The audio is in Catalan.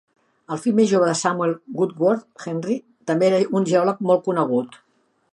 El fill més jove de Samuel Woodward, Henry, també era un geòleg molt conegut.